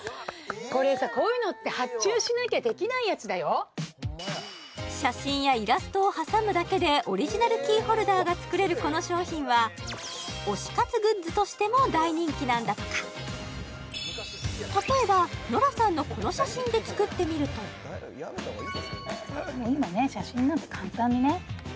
これさこういうのって写真やイラストを挟むだけでオリジナルキーホルダーが作れるこの商品は推し活グッズとしても大人気なんだとか例えばノラさんのこの写真で作ってみるともう今ね写真なんて簡単にね